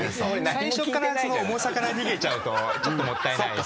最初から重さから逃げちゃうとちょっともったいないですね。